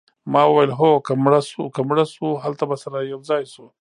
ما وویل هو که مړه شوو هلته به سره یوځای شو